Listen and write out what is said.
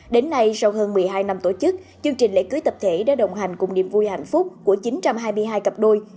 đến nay sau hơn một mươi hai năm tổ chức chương trình lễ cưới tập thể đã đồng hành cùng niềm vui hạnh phúc của chín trăm hai mươi hai cặp đôi